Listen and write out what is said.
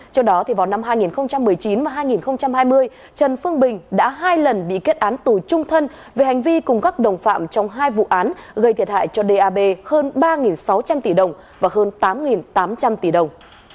trong đó vào năm hai nghìn một mươi chín và hai nghìn hai mươi trần phương bình đã hai lần bị kết án tù trung thân về hành vi cùng các đồng phạm trong hai vụ án gây thiệt hại cho dap hơn ba sáu trăm linh tỷ đồng và hơn tám tám trăm linh tỷ đồng